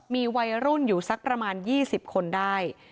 มีวัยรุ่นอยู่สักประมาณ๒๐คนได้